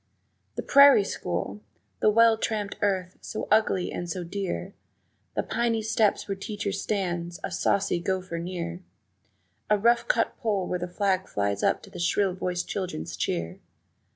The prairie school! The well tramped earth, so ugly and so dear, The piney steps where teacher stands, a saucy gopher near, A rough cut pole where the flag flies up to a shrill voiced children's cheer.